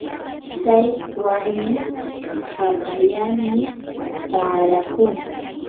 tsay warmi hapallanmi taarakun.